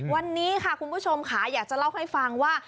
วันนี้ค่ะคุณผู้ชมค่ะอยากจะเล่าให้ฟังว่า